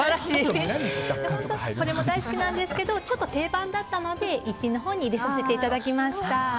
これも大好きなんですけどちょっと定番だったので逸品のほうに入れさせていただきました。